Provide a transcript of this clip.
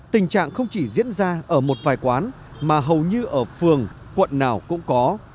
tình trạng không chỉ diễn ra ở một vài quán mà hầu như ở phường quận nào cũng có